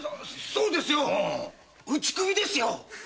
そうですよ討ち首ですよ。